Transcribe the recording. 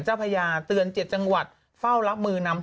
เจ้าพระยาเตือนเจ็ดจังหวัดเฝ้ารับมือน้ำท่วม